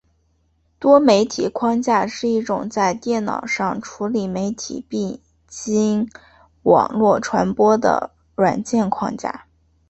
多媒体框架是一种在电脑上处理媒体并经网络传播的软件框架。